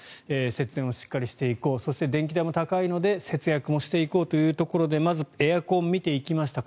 節電をしっかりしていこうそして電気代も高いので節約もしていこうというところでまずエアコンを見ていきました。